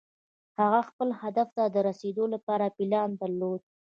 هغه خپل هدف ته د رسېدو لپاره پلان درلود.